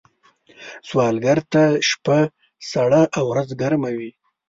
سوالګر ته شپه سړه او ورځ ګرمه وي